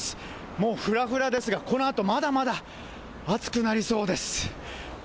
もうふらふらですが、このあとまだまだ暑くなりそうです。